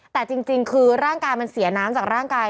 แต่จริงคือร่างกายมันเสียน้ำจากร่างกาย